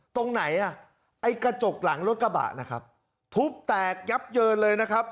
ตรงไหนอ่ะไอ้กระจกหลังรถกระบะนะครับทุบแตกยับเยินเลยนะครับ